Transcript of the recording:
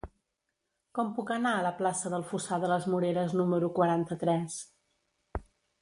Com puc anar a la plaça del Fossar de les Moreres número quaranta-tres?